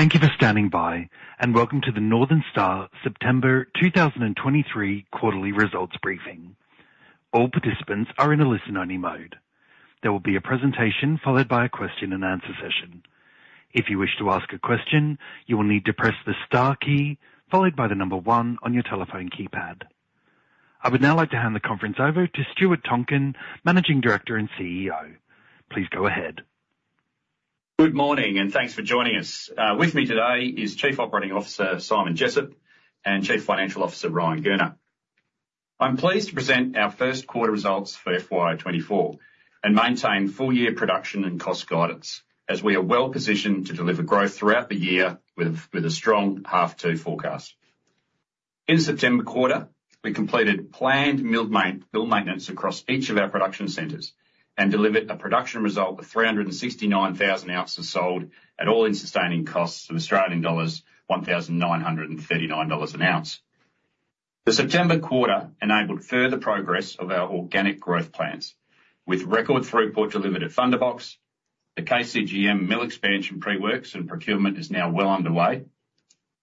Thank you for standing by, and welcome to the Northern Star September 2023 Quarterly Results Briefing. All participants are in a listen-only mode. There will be a presentation followed by a question and answer session. If you wish to ask a question, you will need to press the star key followed by the number one on your telephone keypad. I would now like to hand the conference over to Stuart Tonkin, Managing Director and CEO. Please go ahead. Good morning, and thanks for joining us. With me today is Chief Operating Officer Simon Jessop and Chief Financial Officer Ryan Gurner. I'm pleased to present our first quarter results for FY 2024 and maintain full-year production and cost guidance, as we are well positioned to deliver growth throughout the year with a strong half two forecast. In September quarter, we completed planned mill maintenance across each of our production centers and delivered a production result of 369,000 ounces sold at all-in sustaining costs of Australian dollars 1,939 an ounce. The September quarter enabled further progress of our organic growth plans with record throughput to milled at Thunderbox, the KCGM mill expansion pre-works and procurement is now well underway.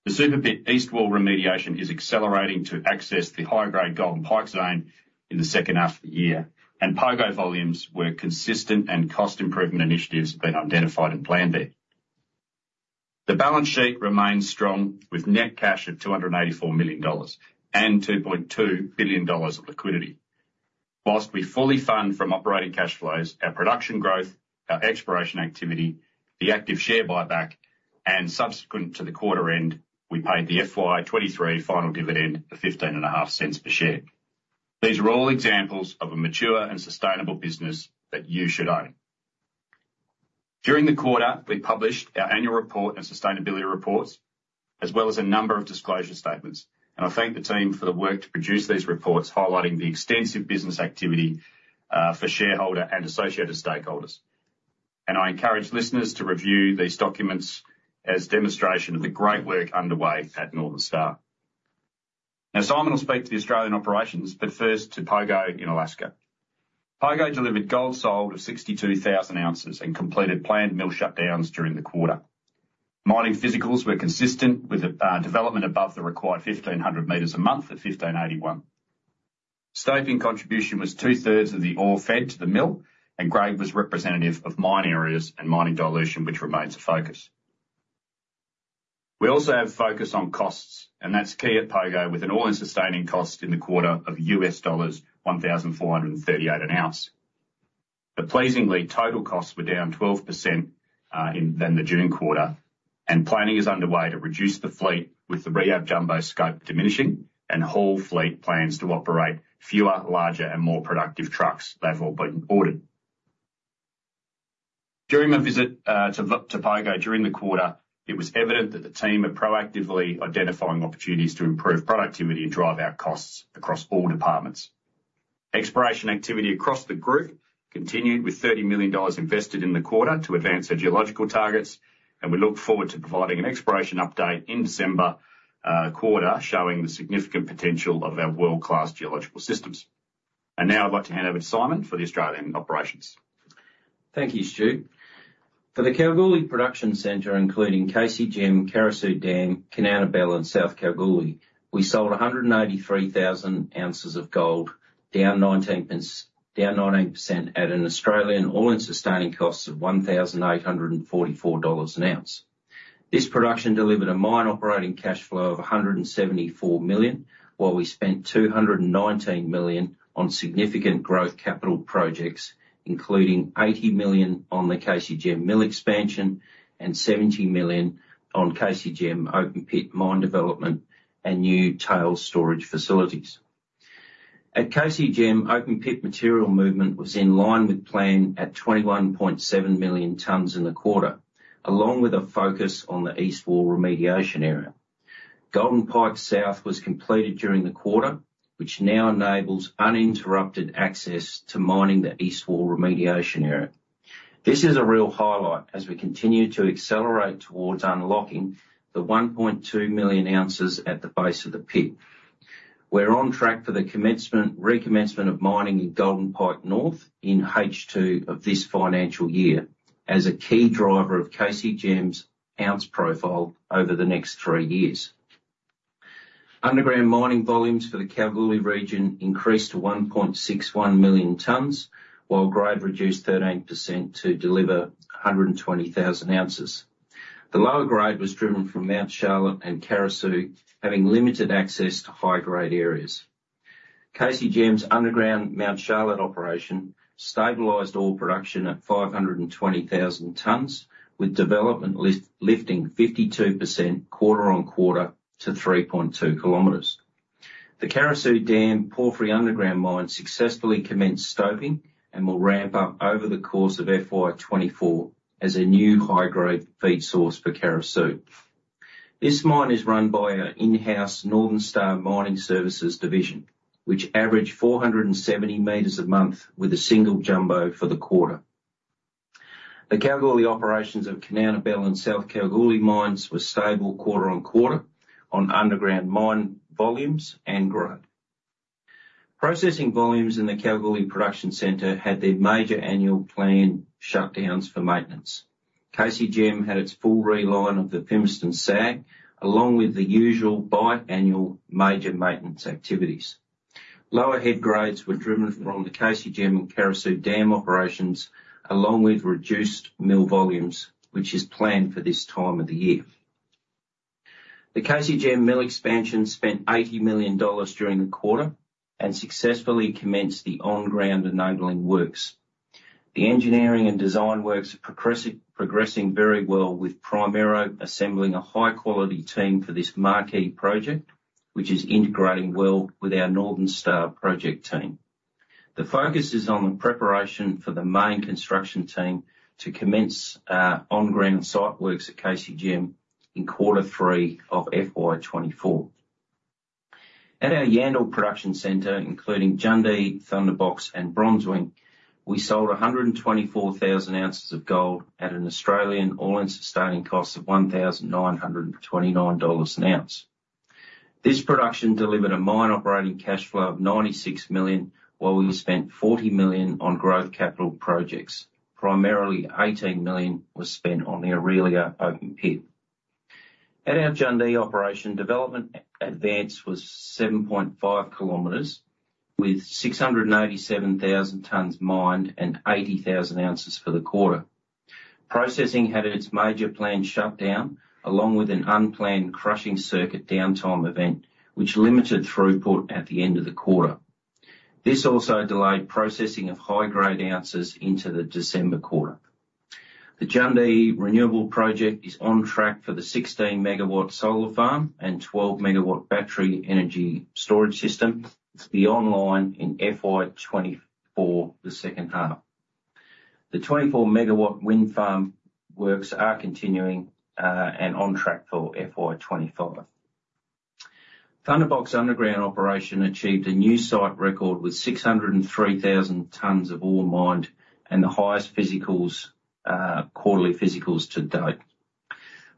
The Super Pit east wall remediation is accelerating to access the higher-grade Golden Pike zone in the second half of the year, and Pogo volumes were consistent and cost improvement initiatives have been identified and planned there. The balance sheet remains strong, with net cash of 284 million dollars and 2.2 billion dollars of liquidity. While we fully fund from operating cash flows, our production growth, our exploration activity, the active share buyback, and subsequent to the quarter end, we paid the FY 2023 final dividend of 0.155 per share. These are all examples of a mature and sustainable business that you should own. During the quarter, we published our annual report and sustainability reports, as well as a number of disclosure statements, and I thank the team for the work to produce these reports, highlighting the extensive business activity, for shareholder and associated stakeholders. I encourage listeners to review these documents as demonstration of the great work underway at Northern Star. Now, Simon will speak to the Australian operations, but first to Pogo in Alaska. Pogo delivered gold sold of 62,000 ounces and completed planned mill shutdowns during the quarter. Mining physicals were consistent with the development above the required 1,500 meters a month of 1,581. Stoping contribution was 2/3 of the ore fed to the mill, and grade was representative of mine areas and mining dilution, which remains a focus. We also have focus on costs, and that's key at Pogo, with an all-in sustaining cost in the quarter of $1,438 an ounce. But pleasingly, total costs were down 12%, on the June quarter, and planning is underway to reduce the fleet with the rehab jumbo scope diminishing and whole fleet plans to operate fewer, larger, and more productive trucks, therefore, being ordered. During my visit to Pogo during the quarter, it was evident that the team are proactively identifying opportunities to improve productivity and drive our costs across all departments. Exploration activity across the group continued with AUD 30 million invested in the quarter to advance their geological targets, and we look forward to providing an exploration update in December quarter, showing the significant potential of our world-class geological systems. Now I'd like to hand over to Simon for the Australian operations. Thank you, Stu. For the Kalgoorlie Production Centre, including KCGM, Carosue Dam, Kanowna Belle, and South Kalgoorlie, we sold 183,000 ounces of gold, down 19% at an Australian all-in sustaining cost of AUD 1,844 an ounce. This production delivered a mine operating cash flow of AUD 174 million, while we spent AUD 219 million on significant growth capital projects, including AUD 80 million on the KCGM mill expansion and AUD 17 million on KCGM open pit mine development and new tailings storage facilities. At KCGM, open pit material movement was in line with plan at 21.7 million tons in the quarter, along with a focus on the east wall remediation area. Golden Pike South was completed during the quarter, which now enables uninterrupted access to mining the east wall remediation area. This is a real highlight as we continue to accelerate towards unlocking the 1.2 million ounces at the base of the pit. We're on track for the recommencement of mining in Golden Pike North in H2 of this financial year as a key driver of KCGM's ounce profile over the next three years. Underground mining volumes for the Kalgoorlie region increased to 1.61 million tons, while grade reduced 13% to deliver 120,000 ounces. The lower grade was driven from Mount Charlotte and Carosue, having limited access to high-grade areas. KCGM's underground Mount Charlotte operation stabilized ore production at 520,000 tons, with development lifting 52% quarter-on-quarter to 3.2 km. The Carosue Dam Porphyry underground mine successfully commenced stoping and will ramp up over the course of FY 2024 as a new high-grade feed source for Carosue. This mine is run by our in-house Northern Star Mining Services division, which averaged 470 meters a month with a single jumbo for the quarter. The Kalgoorlie operations of Kanowna Belle and South Kalgoorlie mines were stable quarter-on-quarter on underground mine volumes and growth. Processing volumes in the Kalgoorlie Production Center had their major annual planned shutdowns for maintenance. KCGM had its full reline of the Fimiston SAG, along with the usual biannual major maintenance activities. Lower head grades were driven from the KCGM and Carosue Dam operations, along with reduced mill volumes, which is planned for this time of the year. The KCGM mill expansion spent AUD 80 million during the quarter and successfully commenced the on-ground enabling works. The engineering and design works are progressing very well, with Primero assembling a high-quality team for this marquee project, which is integrating well with our Northern Star project team. The focus is on the preparation for the main construction team to commence on-ground site works at KCGM in quarter three of FY 2024. At our Yandal Production Center, including Jundee, Thunderbox, and Bronzewing, we sold 124,000 ounces of gold at an Australian all-in sustaining cost of 1,929 dollars an ounce. This production delivered a mine operating cash flow of 96 million, while we spent 40 million on growth capital projects. Primarily, 18 million was spent on the Orelia open pit. At our Jundee operation, development advance was 7.5 km, with 687,000 tons mined and 80,000 ounces for the quarter. Processing had its major planned shutdown, along with an unplanned crushing circuit downtime event, which limited throughput at the end of the quarter. This also delayed processing of high-grade ounces into the December quarter. The Jundee Renewable Project is on track for the 16 MW solar farm and 12 MW battery energy storage system to be online in FY 2024, the second half. The 24 MW wind farm works are continuing, and on track for FY 2025. Thunderbox underground operation achieved a new site record with 603,000 tons of ore mined and the highest physicals, quarterly physicals to date.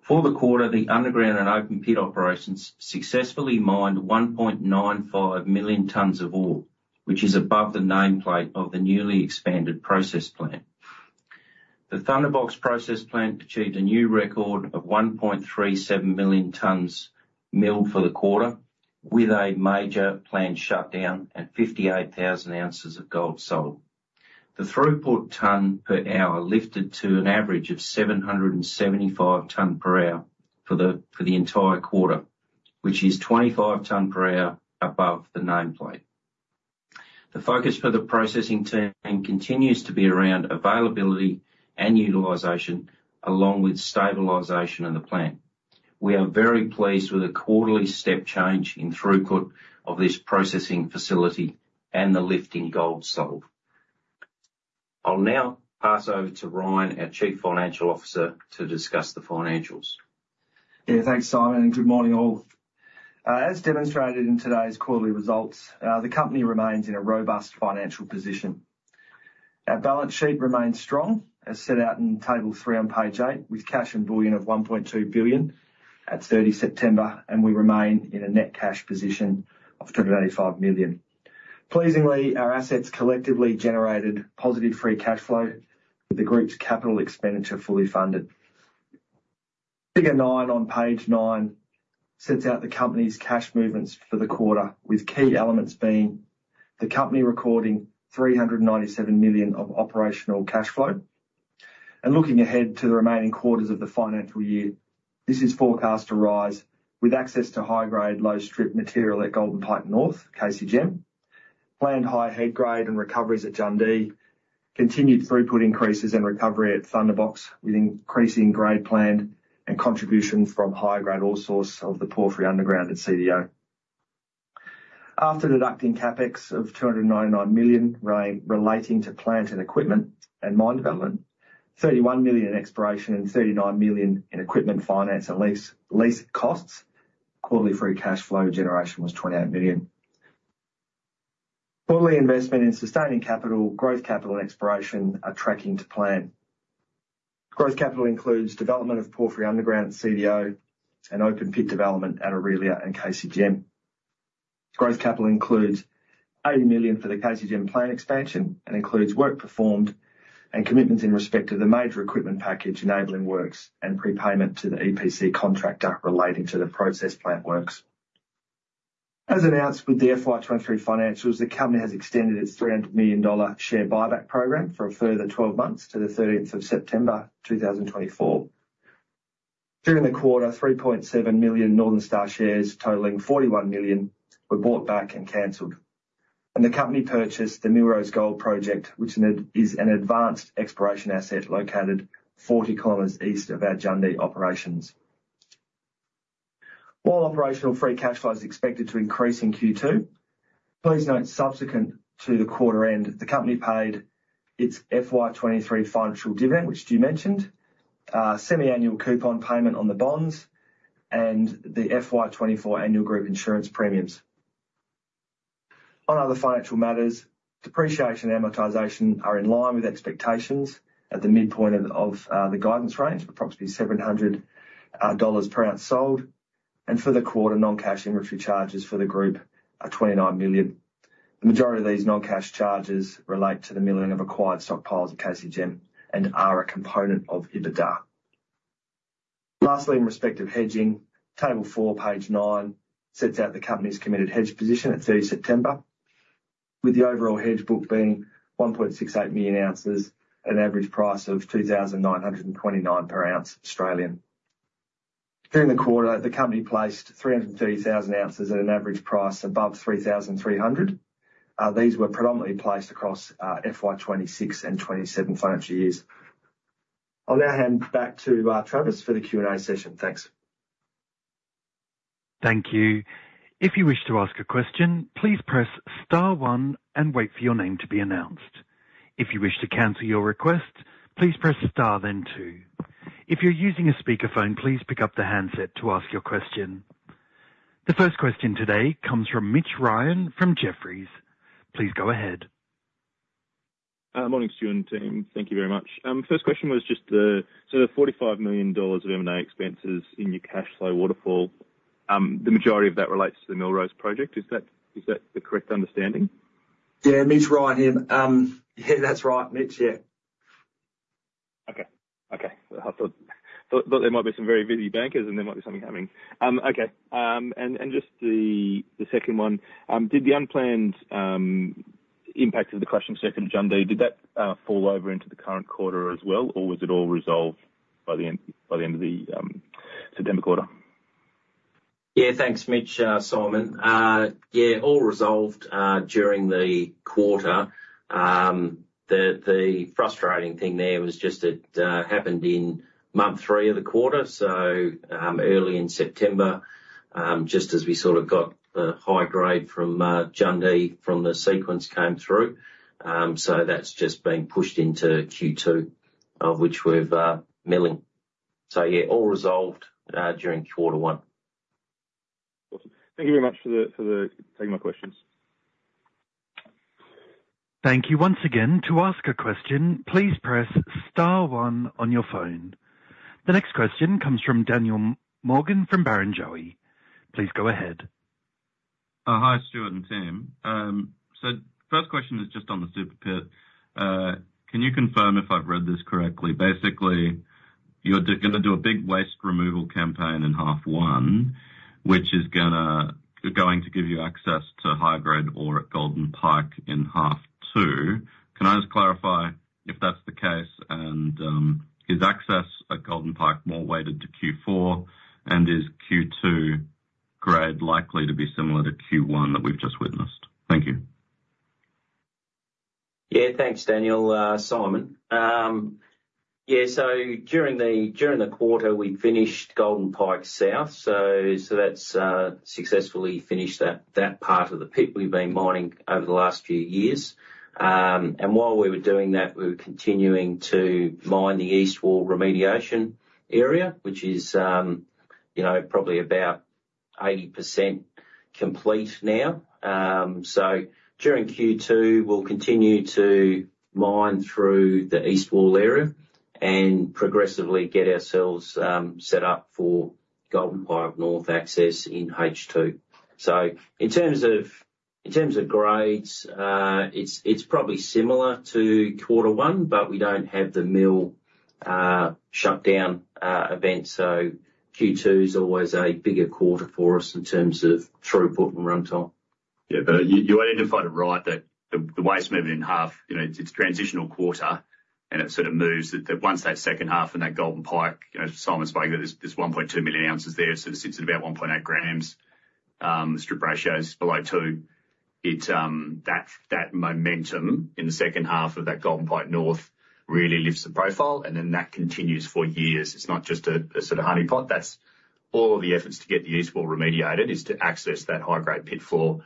For the quarter, the underground and open pit operations successfully mined 1.95 million tons of ore, which is above the nameplate of the newly expanded process plant. The Thunderbox process plant achieved a new record of 1.37 million tons milled for the quarter, with a major planned shutdown and 58,000 ounces of gold sold. The throughput tons per hour lifted to an average of 775 tons per hour for the entire quarter, which is 25 tons per hour above the nameplate. The focus for the processing team continues to be around availability and utilization, along with stabilization of the plant. We are very pleased with the quarterly step change in throughput of this processing facility and the lift in gold sold. I'll now pass over to Ryan, our Chief Financial Officer, to discuss the financials. Yeah, thanks, Simon, and good morning, all. As demonstrated in today's quarterly results, the company remains in a robust financial position. Our balance sheet remains strong, as set out in table three on page eight, with cash and bullion of 1.2 billion at 30 September, and we remain in a net cash position of 285 million. Pleasingly, our assets collectively generated positive free cash flow, with the group's capital expenditure fully funded. Figure nine on page nine sets out the company's cash movements for the quarter, with key elements being the company recording 397 million of operational cash flow. Looking ahead to the remaining quarters of the financial year, this is forecast to rise with access to high-grade, low-strip material at Golden Pike North, KCGM, planned high head grade and recoveries at Jundee, continued throughput increases and recovery at Thunderbox, with increasing grade planned and contribution from high-grade ore source of the Porphyry underground at CDO. After deducting CapEx of 299 million relating to plant and equipment and mine development, 31 million in exploration, and 39 million in equipment finance and lease costs, quarterly free cash flow generation was 28 million. Quarterly investment in sustaining capital, growth capital, and exploration are tracking to plan. Growth capital includes development of Porphyry underground, CDO, and open pit development at Orelia and KCGM. Growth capital includes 80 million for the KCGM plant expansion and includes work performed and commitments in respect to the major equipment package, enabling works, and prepayment to the EPC contractor relating to the process plant works. As announced with the FY 2023 financials, the company has extended its 300 million dollar share buyback program for a further 12 months to the 30th of September, 2024. During the quarter, 3.7 million Northern Star shares, totaling 41 million, were bought back and canceled, and the company purchased the Millrose Gold Project, which is an advanced exploration asset located 40 km east of our Jundee operations. While operational free cash flow is expected to increase in Q2, please note, subsequent to the quarter end, the company paid its FY 2023 financial dividend, which Stu mentioned, semiannual coupon payment on the bonds, and the FY 2024 annual group insurance premiums. On other financial matters, depreciation and amortization are in line with expectations at the midpoint of the guidance range, approximately $700 per ounce sold. For the quarter, non-cash inventory charges for the group are 29 million. The majority of these non-cash charges relate to the milling of acquired stockpiles at KCGM and are a component of EBITDA. Lastly, in respect of hedging, table four, page nine, sets out the company's committed hedge position at 30th September, with the overall hedge book being 1.68 million ounces at an average price of 2,929 per ounce. During the quarter, the company placed 330,000 ounces at an average price above 3,300. These were predominantly placed across FY 2026 and 2027 financial years. I'll now hand back to Travis, for the Q&A session. Thanks. Thank you. If you wish to ask a question, please press star one and wait for your name to be announced. If you wish to cancel your request, please press star, then two. If you're using a speakerphone, please pick up the handset to ask your question. The first question today comes from Mitch Ryan from Jefferies. Please go ahead. Morning, Stuart and team. Thank you very much. First question was just the—so the 45 million dollars of M&A expenses in your cash flow waterfall, the majority of that relates to the Millrose project. Is that, is that the correct understanding? Yeah, Mitch Ryan here. Yeah, that's right, Mitch. Yeah. Okay. I thought there might be some very busy bankers and there might be something happening. Okay. And just the second one, did the unplanned impact of the crushing circuit at Jundee, did that fall over into the current quarter as well, or was it all resolved by the end of the September quarter? Yeah, thanks, Mitch, Simon. Yeah, all resolved during the quarter. The frustrating thing there was just that happened in month three of the quarter, so early in September, just as we sort of got the high grade from Jundee, from the sequence came through. So that's just been pushed into Q2, of which we've milling. So yeah, all resolved during quarter one. Awesome. Thank you very much for taking my questions. Thank you once again. To ask a question, please press star one on your phone. The next question comes from Daniel Morgan, from Barrenjoey. Please go ahead. Hi, Stuart and team. So first question is just on the Super Pit. Can you confirm if I've read this correctly? Basically, you're gonna do a big waste removal campaign in half one, which is going to give you access to high grade ore at Golden Pike in half two. Can I just clarify if that's the case, and is access at Golden Pike more weighted to Q4? And is Q2 grade likely to be similar to Q1 that we've just witnessed? Thank you. Yeah, thanks, Daniel, Simon. Yeah, so during the quarter, we finished Golden Pike South, so that's successfully finished that part of the pit we've been mining over the last few years. And while we were doing that, we were continuing to mine the east wall remediation area, which is, you know, probably about 80% complete now. So during Q2, we'll continue to mine through the east wall area and progressively get ourselves set up for Golden Pike North access in H2. So in terms of grades, it's probably similar to quarter one, but we don't have the mill shut down event, so Q2 is always a bigger quarter for us in terms of throughput and runtime. Yeah, but you identified it right, that the waste movement in half, you know, it's a transitional quarter, and it sort of moves. That once that second half and that Golden Pike, you know, Simon spoke, there's 1.2 million ounces there, sort of sits at about 1.8 grams. The strip ratio is below two. That momentum in the second half of that Golden Pike North really lifts the profile, and then that continues for years. It's not just a sort of honey pot. That's all of the efforts to get the east wall remediated is to access that high-grade pit floor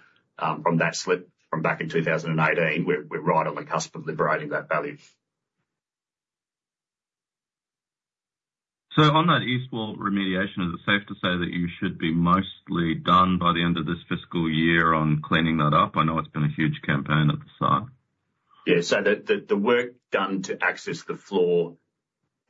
from that slip from back in 2018. We're right on the cusp of liberating that value. On that east wall remediation, is it safe to say that you should be mostly done by the end of this fiscal year on cleaning that up? I know it's been a huge campaign at the site. Yeah. So the work done to access the floor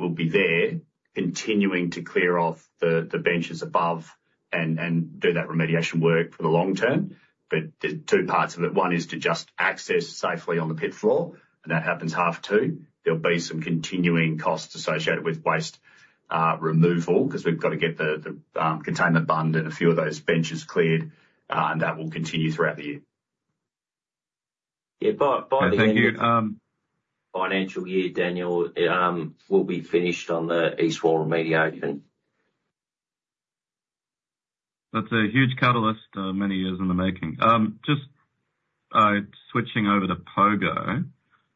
will be there, continuing to clear off the benches above and do that remediation work for the long term. But there are two parts of it. One is to just access safely on the pit floor, and that happens half two. There'll be some continuing costs associated with waste removal, 'cause we've got to get the containment bund and a few of those benches cleared, and that will continue throughout the year. Yeah, by the end- Thank you, Financial year, Daniel, we'll be finished on the east wall remediation. That's a huge catalyst, many years in the making. Just switching over to Pogo,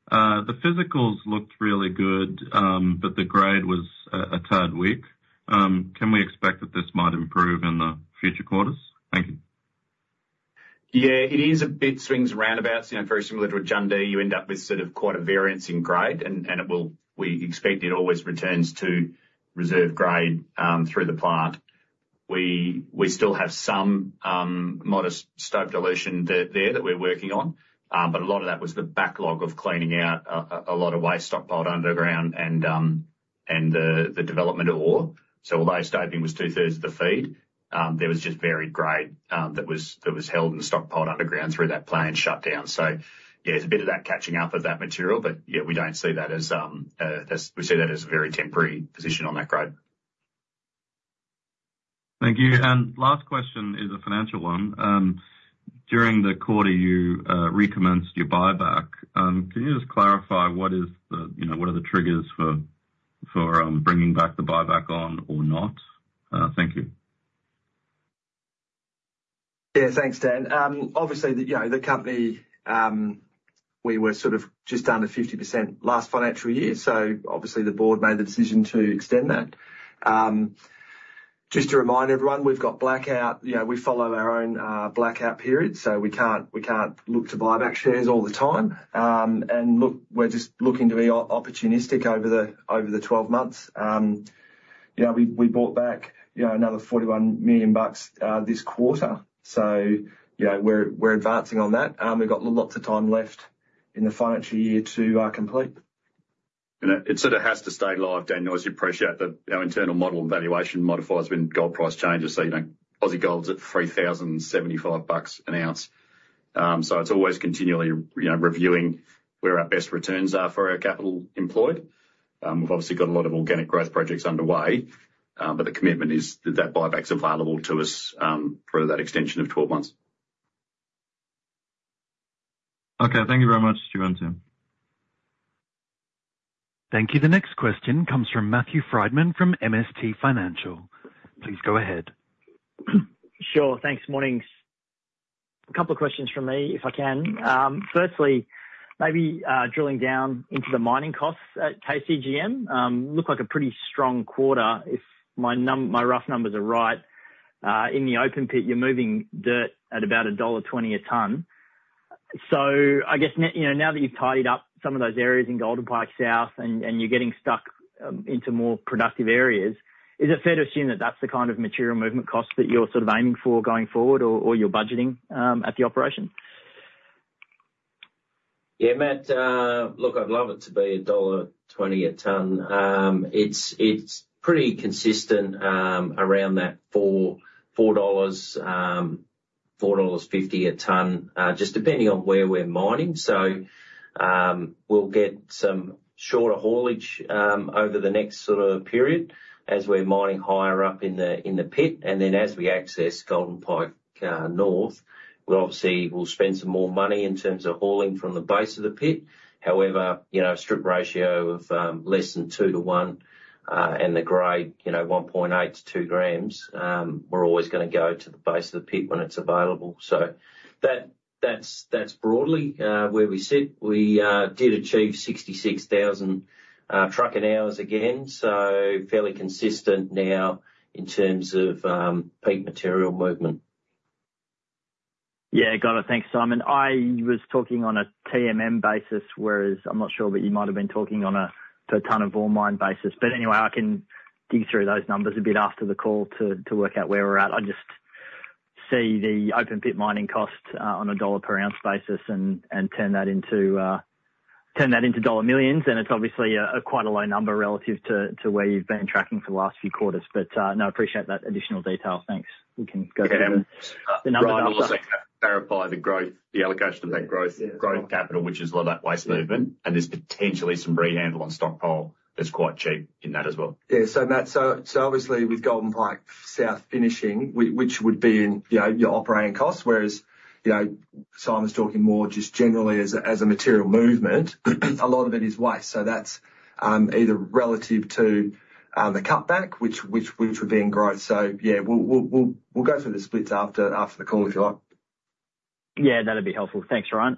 the physicals looked really good, but the grade was a tad weak. Can we expect that this might improve in the future quarters? Thank you. Yeah, it is a bit swings and roundabouts, you know, very similar to Jundee. You end up with sort of quite a variance in grade, and it will—we expect it always returns to reserve grade through the plant. We still have some modest stope dilution there that we're working on, but a lot of that was the backlog of cleaning out a lot of waste stockpiled underground and the development of ore. So although stoping was 2/3 of the feed, there was just varied grade that was held in the stockpile underground through that plant shutdown. So yeah, it's a bit of that catching up of that material, but yeah, we don't see that as—see that as a very temporary position on that grade. Thank you. Last question is a financial one. During the quarter, you recommenced your buyback. Can you just clarify what is the, you know, what are the triggers for bringing back the buyback on or not? Thank you. Yeah, thanks, Dan. Obviously, you know, the company, we were sort of just under 50% last financial year, so obviously the board made the decision to extend that. Just to remind everyone, we've got blackout. You know, we follow our own blackout period, so we can't look to buy back shares all the time. And look—we're just looking to be opportunistic over the 12 months. You know, we bought back, you know, another 41 million bucks this quarter. So, you know, we're advancing on that. We've got lots of time left in the financial year to complete. It sort of has to stay live, Dan, you know, as you appreciate that our internal model valuation modifier has been gold price changes. So, you know, Aussie gold's at 3,075 bucks an ounce. So it's always continually, you know, reviewing where our best returns are for our capital employed. We've obviously got a lot of organic growth projects underway, but the commitment is that that buyback's available to us for that extension of 12 months. Okay, thank you very much, Stuart and Tim. Thank you. The next question comes from Matthew Frydman from MST Financial. Please go ahead. Sure. Thanks. Morning. A couple of questions from me, if I can. Firstly, maybe, drilling down into the mining costs at KCGM. Looked like a pretty strong quarter, if my rough numbers are right. In the open pit, you're moving dirt at about dollar 1.20 a ton. So I guess, you know, now that you've tidied up some of those areas in Golden Pike South and you're getting stuck into more productive areas, is it fair to assume that that's the kind of material movement cost that you're sort of aiming for going forward or you're budgeting at the operation? Yeah, Matt, look, I'd love it to be dollar 1.20 a ton. It's pretty consistent around that 4-4.50 dollars a ton, just depending on where we're mining. So, we'll get some shorter haulage over the next sort of period as we're mining higher up in the pit. And then as we access Golden Pike North, we obviously will spend some more money in terms of hauling from the base of the pit. However, you know, a strip ratio of less than 2:1, and the grade, you know, 1.8–2 grams, we're always gonna go to the base of the pit when it's available. So that's broadly where we sit. We did achieve 66,000 trucking hours again, so fairly consistent now in terms of peak material movement. Yeah. Got it. Thanks, Simon. I was talking on a TMM basis, whereas I'm not sure that you might have been talking on a per ton of ore mine basis. But anyway, I can dig through those numbers a bit after the call to work out where we're at. I just see the open pit mining costs on a dollar per ounce basis and turn that into turn that into dollar millions, and it's obviously a quite low number relative to where you've been tracking for the last few quarters. But no, I appreciate that additional detail. Thanks. We can go through the numbers after. Clarify the growth, the allocation of that growth, growth capital, which is a lot of that waste movement, and there's potentially some rehandle on stockpile that's quite cheap in that as well. Yeah. So, Matt, so obviously with Golden Pike South finishing, which would be in, you know, your operating costs, whereas, you know, Simon's talking more just generally as a material movement, a lot of it is waste. So that's either relative to the cutback, which would be in growth. So yeah, we'll go through the splits after the call if you like. Yeah, that'd be helpful. Thanks, Ryan.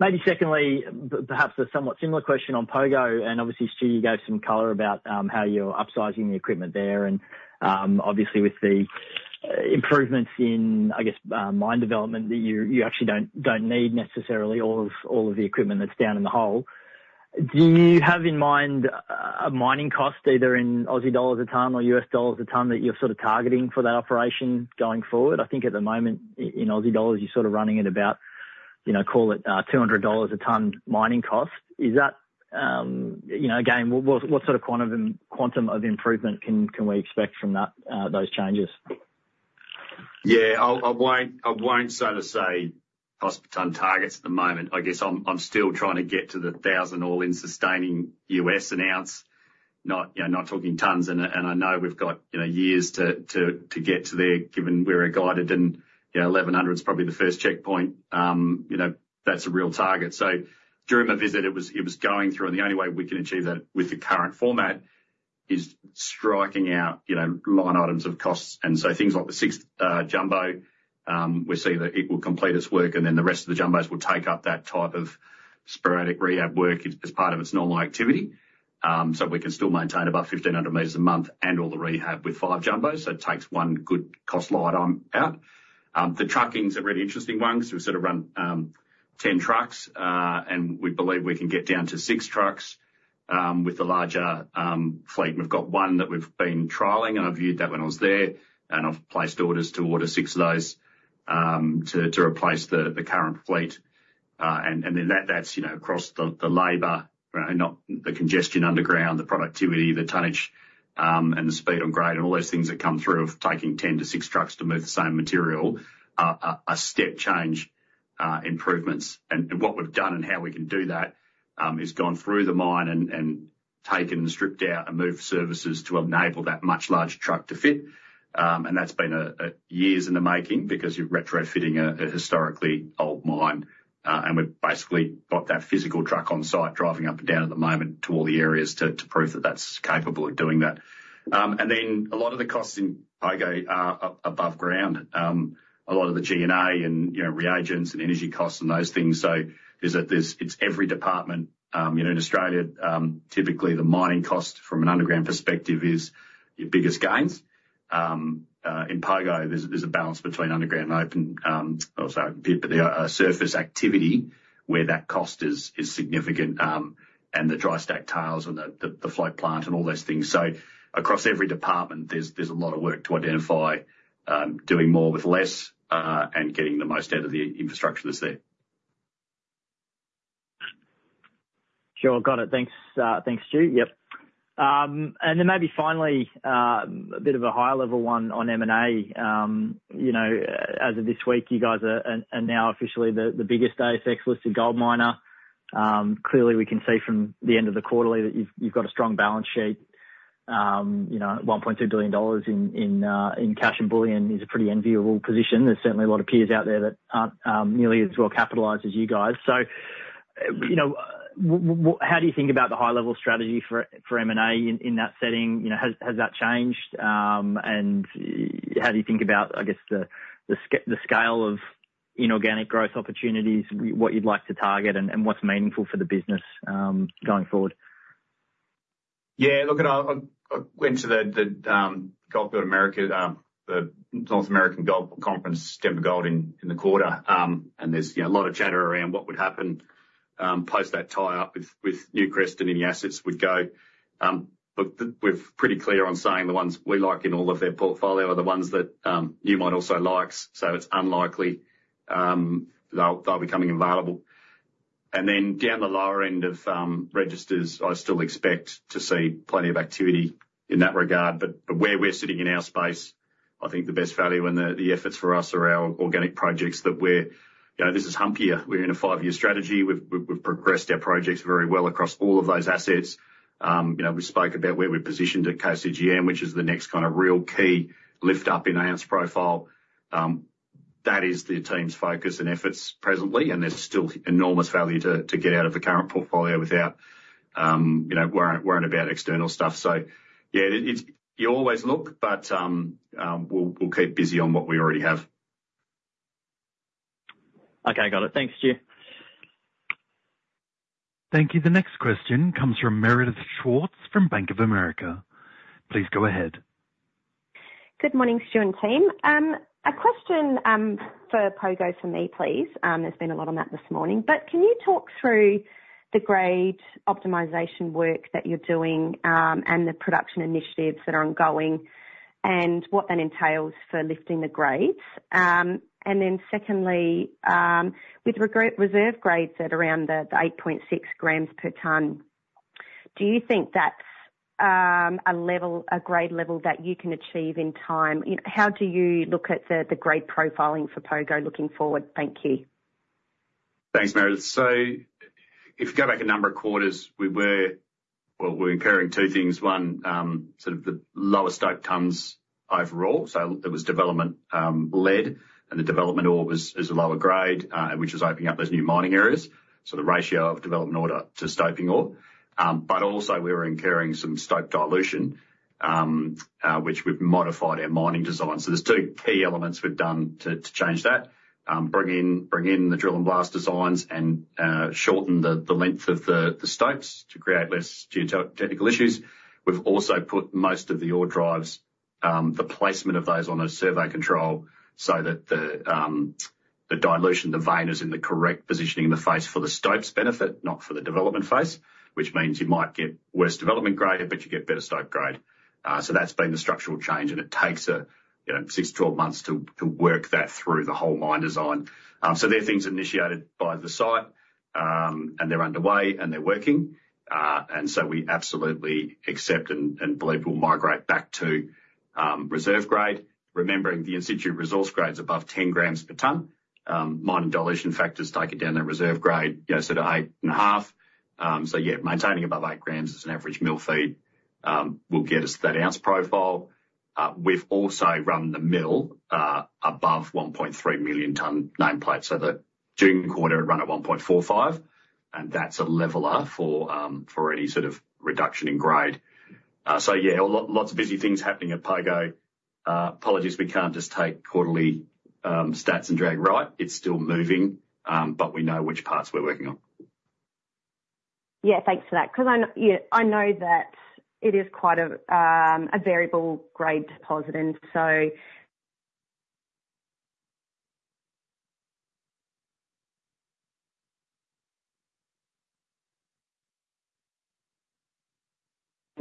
Maybe secondly, perhaps a somewhat similar question on Pogo, and obviously, Stu, you gave some color about how you're upsizing the equipment there and obviously with the improvements in, I guess, mine development, that you actually don't need necessarily all of the equipment that's down in the hole. Do you have in mind a mining cost, either in Aussie dollar a ton or U.S. dollar a ton, that you're sort of targeting for that operation going forward? I think at the moment, in Aussie dollars, you're sort of running at about, you know, call it, 200 dollars a ton mining cost. Is that, you know, again, what sort of quantum of improvement can we expect from that, those changes? Yeah, I won't—so to say cost per ton targets at the moment. I guess I'm still trying to get to the 1,000 all-in sustaining USD per ounce. Not, you know, not talking tons, and I know we've got, you know, years to get to there, given where we're guided and, you know, 1,100 is probably the first checkpoint. You know, that's a real target. So during my visit, it was going through—and the only way we can achieve that with the current format is striking out, you know, line items of costs. And so things like the sixth jumbo, we see that it will complete its work, and then the rest of the jumbos will take up that type of sporadic rehab work as part of its normal activity. So we can still maintain about 1,500 meters a month and all the rehab with five jumbos, so it takes one good cost line item out. The truckings are really interesting ones. We sort of run 10 trucks, and we believe we can get down to six trucks with the larger fleet. We've got one that we've been trialing, and I viewed that when I was there, and I've placed orders to order six of those to replace the current fleet. And then that that's you know across the labor, not the congestion underground, the productivity, the tonnage, and the speed on grade, and all those things that come through of taking 10 to six trucks to move the same material are a step change improvements. What we've done and how we can do that is gone through the mine and taken and stripped out and moved services to enable that much larger truck to fit. And that's been years in the making because you're retrofitting a historically old mine, and we've basically got that physical truck on site driving up and down at the moment to all the areas to prove that that's capable of doing that. And then a lot of the costs in Pogo are up above ground. A lot of the G&A and, you know, reagents and energy costs and those things, so there's. It's every department. You know, in Australia, typically the mining cost from an underground perspective is your biggest gains. In Pogo, there's a balance between underground and open, but there are surface activities where that cost is significant, and the dry stack tailings and the float plant and all those things. So across every department, there's a lot of work to identify doing more with less, and getting the most out of the infrastructure that's there. Sure. Got it. Thanks, thanks, Stu. Yep. And then maybe finally, a bit of a higher level one on M&A. You know, as of this week, you guys are now officially the biggest ASX-listed gold miner. Clearly we can see from the end of the quarterly that you've got a strong balance sheet. You know, 1.2 billion dollars in cash and bullion is a pretty enviable position. There's certainly a lot of peers out there that aren't nearly as well capitalized as you guys. So, you know, how do you think about the high-level strategy for M&A in that setting? You know, has that changed? And how do you think about, I guess, the scale of inorganic growth opportunities, what you'd like to target and what's meaningful for the business, going forward? Yeah, look, I went to the North American Gold Conference, Denver Gold Forum, in the quarter. You know, there's a lot of chatter around what would happen post that tie-up with Newcrest and any assets would go. But we're pretty clear on saying the ones we like in all of their portfolio are the ones that Newmont also likes, so it's unlikely they'll be coming available. And then down the lower end of registers, I still expect to see plenty of activity in that regard. But where we're sitting in our space, I think the best value and the efforts for us are our organic projects that we're—you know, this is hump year. We're in a five-year strategy. We've progressed our projects very well across all of those assets. You know, we spoke about where we're positioned at KCGM, which is the next kind of real key lift up in ounce profile. That is the team's focus and efforts presently, and there's still enormous value to get out of the current portfolio without, you know, worrying about external stuff. So yeah, it's—you always look, but we'll keep busy on what we already have. Okay, got it. Thanks, Stu. Thank you. The next question comes from Meredith Schwarz from Bank of America. Please go ahead. Good morning, Stu and team. A question for Pogo for me, please. There's been a lot on that this morning, but can you talk through the grade optimization work that you're doing, and the production initiatives that are ongoing and what that entails for lifting the grades? And then secondly, with reserve grades at around the, the 8.6 g/t, do you think that's, a level, a grade level that you can achieve in time? You know, how do you look at the, the grade profiling for Pogo looking forward? Thank you. Thanks, Meredith. So if you go back a number of quarters, we were—well, we were incurring two things: one, sort of the lower stope tons overall, so there was development led, and the development ore is a lower grade, which is opening up those new mining areas, so the ratio of development ore to stoping ore. But also we were incurring some stope dilution, which we've modified our mining design. So there's two key elements we've done to change that. Bring in the drill and blast designs and shorten the length of the stopes to create less geotechnical issues. We've also put most of the ore drives, the placement of those on a survey control so that the dilution, the vein is in the correct positioning in the face for the stopes benefit, not for the development phase, which means you might get worse development grade, but you get better stope grade. So that's been the structural change, and it takes, you know, six to 12 months to work that through the whole mine design. So they're things initiated by the site, and they're underway, and they're working. And so we absolutely accept and believe we'll migrate back to reserve grade, remembering the in-situ resource grade is above 10 g/t. Mining dilution factors take it down to reserve grade, you know, sort of 8.5 g/t. Yeah, maintaining above 8 g/t is an average mill feed will get us that ounce profile. We've also run the mill above 1.3 million tonne nameplate, so the June quarter it run at 1.45 million tonne, and that's a leveler for for any sort of reduction in grade. Yeah, a lot, lots of busy things happening at Pogo. Apologies, we can't just take quarterly stats and drag right. It's still moving, but we know which parts we're working on. Yeah, thanks for that, 'cause I know you know, I know that it is quite a a variable grade deposit, and so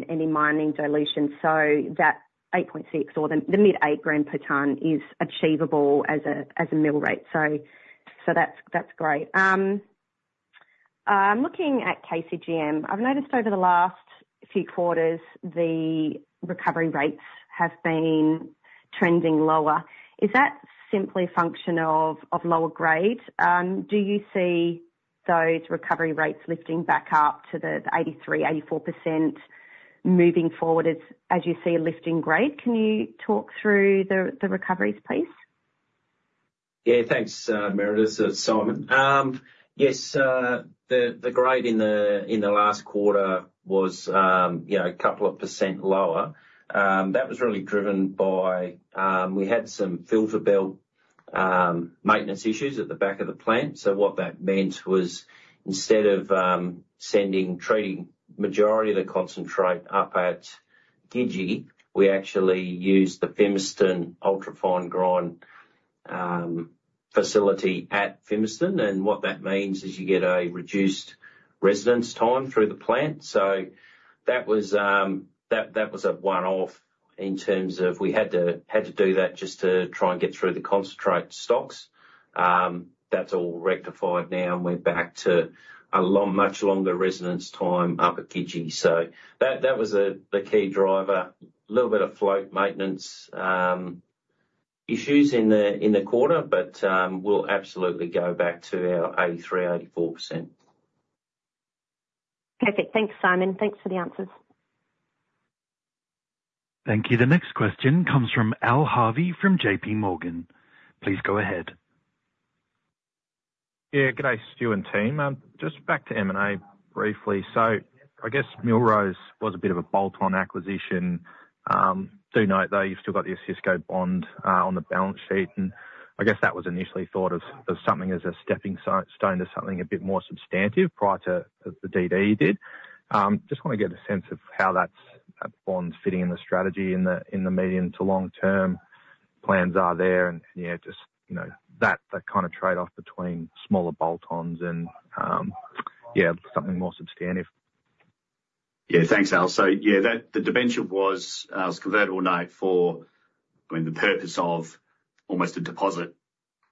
any mining dilution, so that 8.6 g/t or the, the mid-8 g/t is achievable as a, as a mill rate. So, so that's, that's great. I'm looking at KCGM. I've noticed over the last few quarters, the recovery rates have been trending lower. Is that simply a function of, of lower grade? Do you see those recovery rates lifting back up to the 83%-84% moving forward as, as you see a lift in grade? Can you talk through the, the recoveries, please? Yeah, thanks, Meredith, Simon. Yes, the grade in the last quarter was, you know, a couple of percent lower. That was really driven by we had some filter belt maintenance issues at the back of the plant. So what that meant was, instead of sending, treating majority of the concentrate up at Gidji, we actually used the Fimiston ultra fine grind facility at Fimiston. And what that means is you get a reduced residence time through the plant. So that was a one-off in terms of we had to do that just to try and get through the concentrate stocks. That's all rectified now, and we're back to a much longer residence time up at Gidji. So that was the key driver. Little bit of float maintenance issues in the quarter, but we'll absolutely go back to our 83%-84%. Perfect. Thanks, Simon. Thanks for the answers. Thank you. The next question comes from Al Harvey, from JPMorgan. Please go ahead. Yeah, good day, Stu and team. Just back to M&A briefly. So I guess Millrose was a bit of a bolt-on acquisition. Do note though, you've still got the Osisko bond on the balance sheet, and I guess that was initially thought of as something as a stepping stone to something a bit more substantive prior to the DD you did. Just want to get a sense of how that's, that bond's fitting in the strategy in the medium to long term plans are there, and, yeah, just, you know, that, that kind of trade-off between smaller bolt-ons and, yeah, something more substantive. Yeah, thanks, Al. So yeah, that the debenture was convertible note, for, I mean, the purpose of almost a deposit,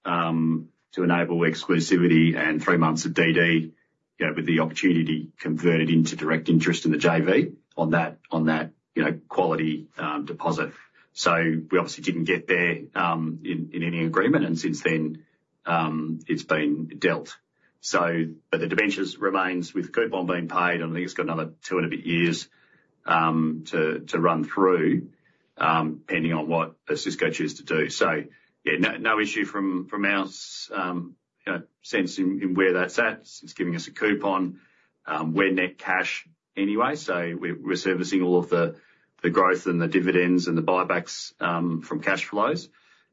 to enable exclusivity and three months of DD, you know, with the opportunity to convert it into direct interest in the JV on that, you know, quality deposit. So we obviously didn't get there in any agreement, and since then, it's been dealt. So but the debenture remains with coupon being paid, and I think it's got another two and a bit years to run through, depending on what Osisko choose to do. So yeah, no issue from our sense in where that's at. It's giving us a coupon. We're net cash anyway, so we're servicing all of the growth and the dividends and the buybacks from cash flows.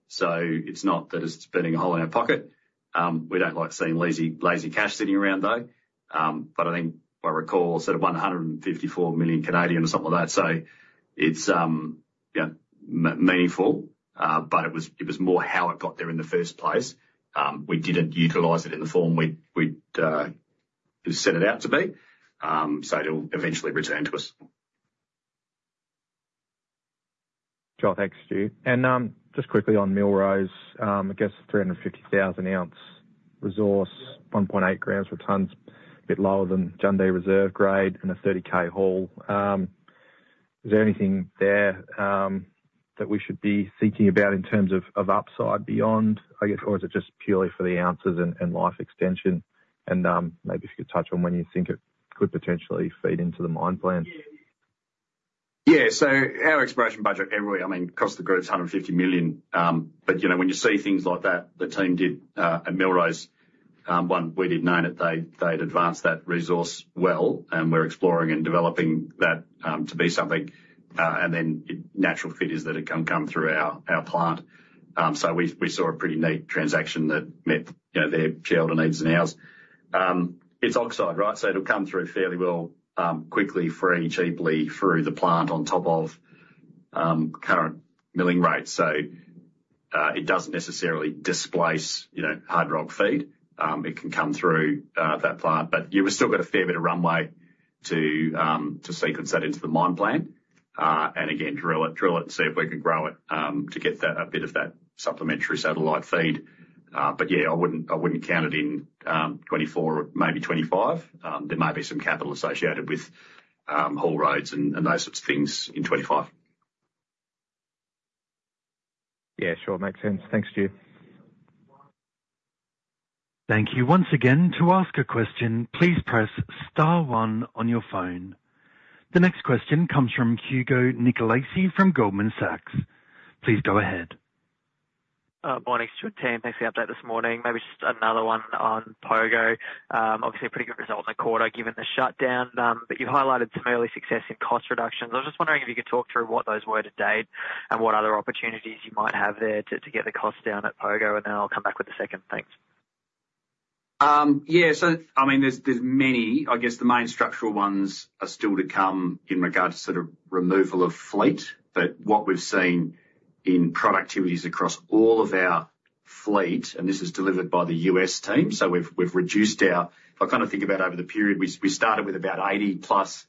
So it's not that it's burning a hole in our pocket. We don't like seeing lazy cash sitting around, though, but I think if I recall, sort of 154 million or something like that. So it's you know, meaningful, but it was more how it got there in the first place. We didn't utilize it in the form we'd set it out to be, so it'll eventually return to us. Sure. Thanks, Stu. And, just quickly on Millrose, I guess 350,000-ounce resource, 1.8 g/t, a bit lower than Yandal reserve grade and a 30,000 haul. Is there anything there, that we should be thinking about in terms of upside beyond, I guess, or is it just purely for the ounces and life extension? And, maybe if you could touch on when you think it could potentially feed into the mine plan. Yeah. So our exploration budget every year, I mean, across the group is 150 million. But, you know, when you see things like that, the team did at Millrose, one, we did know that they'd advanced that resource well, and we're exploring and developing that to be something, and then natural fit is that it can come through our plant. So we saw a pretty neat transaction that met, you know, their shareholder needs and ours. It's oxide, right? So it'll come through fairly well, quickly, free, cheaply through the plant on top of current milling rates. So it doesn't necessarily displace, you know, hard rock feed. It can come through that plant, but you've still got a fair bit of runway to sequence that into the mine plan, and again, drill it and see if we can grow it, to get that—a bit of that supplementary satellite feed. But yeah, I wouldn't count it in, 2024, maybe 2025. There may be some capital associated with haul roads and those sorts of things in 2025. Yeah, sure. Makes sense. Thanks, Stu. Thank you once again. To ask a question, please press star one on your phone. The next question comes from Hugo Nicolaci from Goldman Sachs. Please go ahead. Morning, Stu and team. Thanks for the update this morning. Maybe just another one on Pogo. Obviously a pretty good result in the quarter given the shutdown, but you've highlighted some early success in cost reductions. I was just wondering if you could talk through what those were to date and what other opportunities you might have there to get the costs down at Pogo, and then I'll come back with a second. Thanks. Yeah, so I mean, there's many. I guess the main structural ones are still to come in regards to sort of removal of fleet. But what we've seen in productivities across all of our fleet, and this is delivered by the U.S. team. So we've reduced our—if I kind of think about over the period, we started with about 80+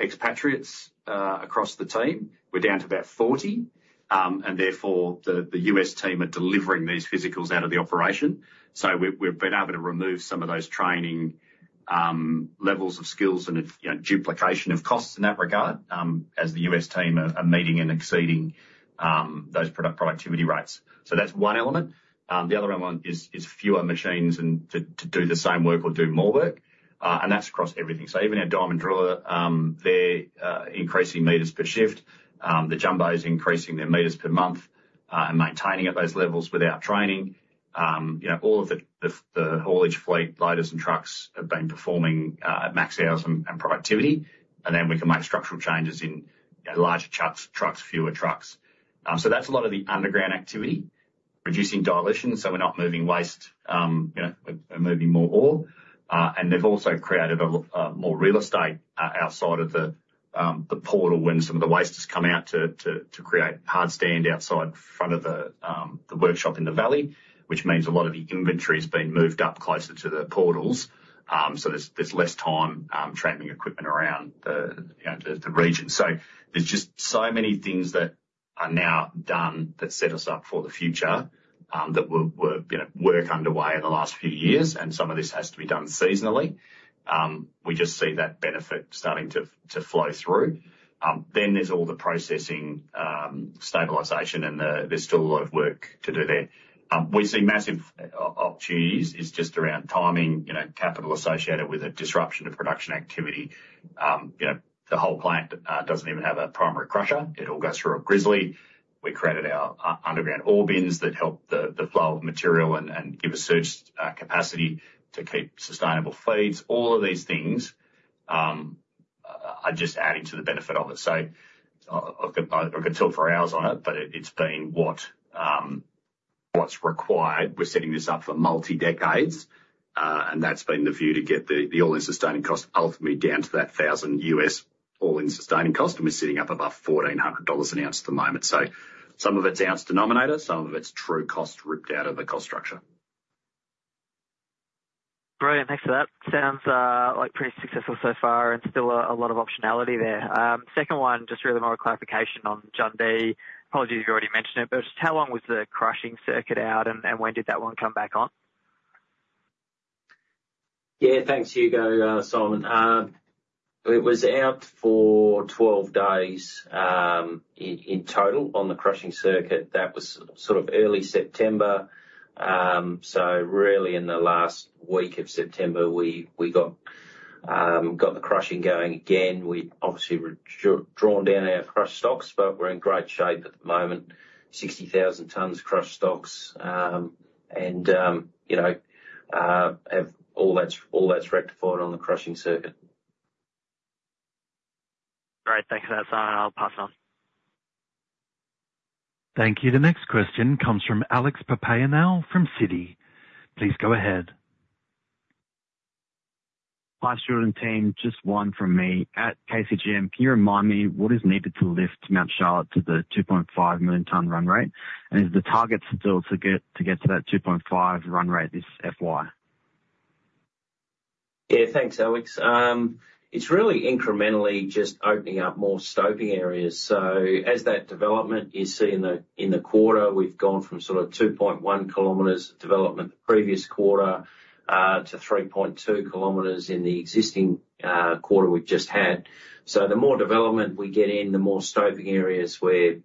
expatriates across the team. We're down to about 40, and therefore, the U.S. team are delivering these physicals out of the operation. So we've been able to remove some of those training levels of skills and, you know, duplication of costs in that regard, as the U.S. team are meeting and exceeding those product productivity rates. So that's one element. The other element is fewer machines and to do the same work or do more work, and that's across everything. So even our diamond driller, they're increasing meters per shift, the jumbos increasing their meters per month, and maintaining at those levels without training. You know, all of the haulage fleet, loaders, and trucks have been performing at max hours and productivity. And then we can make structural changes in larger trucks, fewer trucks. So that's a lot of the underground activity. Reducing dilution so we're not moving waste, you know, we're moving more ore. And they've also created more real estate outside of the portal when some of the waste has come out to create hard stand outside front of the workshop in the valley, which means a lot of the inventory is being moved up closer to the portals. So there's less time traveling equipment around, you know, the region. So there's just so many things that are now done that set us up for the future that were—work underway in the last few years, and some of this has to be done seasonally. We just see that benefit starting to flow through. Then there's all the processing stabilization, and there's still a lot of work to do there. We see massive opportunities. It's just around timing, you know, capital associated with it, disruption of production activity. You know, the whole plant doesn't even have a primary crusher. It all goes through a grizzly. We created our underground ore bins that help the flow of material and give us surge capacity to keep sustainable feeds. All of these things are just adding to the benefit of it. So I could talk for hours on it, but it’s been what's required. We're setting this up for multi-decades, and that's been the view to get the all-in sustaining cost ultimately down to that $1,000 U.S. all-in sustaining cost, and we're sitting up above $1,400 an ounce at the moment. So some of it's ounce denominator, some of it's true cost ripped out of the cost structure. Great, thanks for that. Sounds like pretty successful so far and still a lot of optionality there. Second one, just really more a clarification on Jundee. Apologies if you've already mentioned it, but just how long was the crushing circuit out, and when did that one come back on? Yeah, thanks, Hugo, Simon. It was out for 12 days in total on the crushing circuit. That was sort of early September. So really in the last week of September, we got the crushing going again. We obviously drawn down our crush stocks, but we're in great shape at the moment. 60,000 tons crush stocks, and you know, all that's rectified on the crushing circuit. Great. Thanks for that, Simon. I'll pass on. Thank you. The next question comes from Alex Papaioanou from Citi. Please go ahead. Hi, Stuart and team, just one from me. At KCGM, can you remind me what is needed to lift Mount Charlotte to the 2.5 million ton run rate? And is the target still to get to that 2.5 million ton run rate this FY? Yeah, thanks, Alex. It's really incrementally just opening up more stoping areas. So as that development you see in the, in the quarter, we've gone from sort of 2.1 km development the previous quarter to 3.2 km in the existing quarter we've just had. So the more development we get in, the more stoping areas we're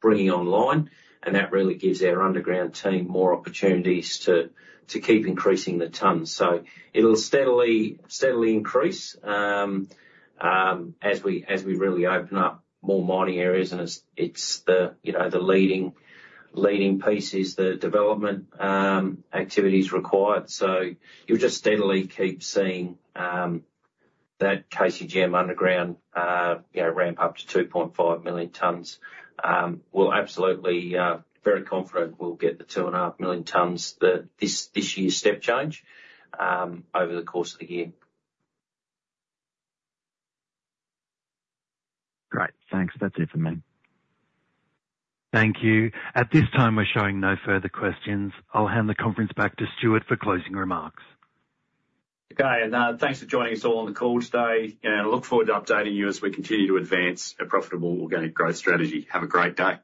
bringing online, and that really gives our underground team more opportunities to keep increasing the tons. So it'll steadily increase, as we really open up more mining areas, and it's the, you know, the leading pieces, the development activities required. So you'll just steadily keep seeing that KCGM underground, you know, ramp up to 2.5 million tons. We're absolutely very confident we'll get the 2.5 million tons that this, this year's step change over the course of the year. Great. Thanks. That's it for me. Thank you. At this time, we're showing no further questions. I'll hand the conference back to Stuart for closing remarks. Okay, and, thanks for joining us all on the call today, and I look forward to updating you as we continue to advance a profitable organic growth strategy. Have a great day.